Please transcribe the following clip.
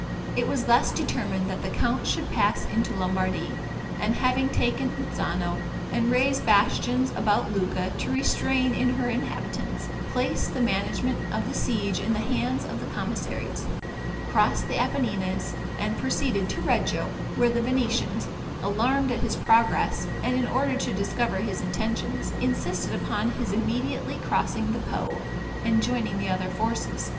It was thus determined that the count should pass into Lombardy; and having taken Uzzano, and raised bastions about Lucca to restrain in her inhabitants, placed the management of the siege in the hands of the commissaries, crossed the Apennines, and proceeded to Reggio, when the Venetians, alarmed at his progress, and in order to discover his intentions, insisted upon his immediately crossing the Po, and joining the other forces.